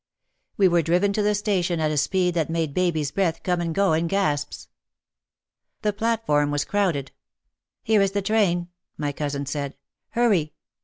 We were driven to the station at a speed that made baby's breath come and go in gasps. The platform was crowded. "Here is the train," my cousin said. "Hurry